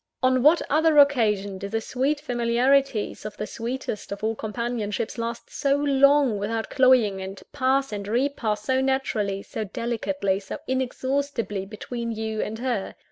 On what other occasion do the sweet familiarities of the sweetest of all companionships last so long without cloying, and pass and re pass so naturally, so delicately, so inexhaustibly between you and her?